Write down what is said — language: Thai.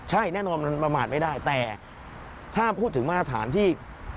ใช่แน่นอนมันประมาทไม่ได้แต่ถ้าพูดถึงมาตรฐานที่